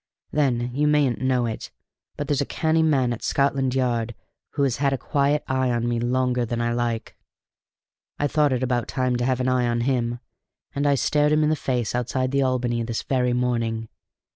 Then, you mayn't know it, but there's a canny man at Scotland Yard who has had a quiet eye on me longer than I like. I thought it about time to have an eye on him, and I stared him in the face outside the Albany this very morning.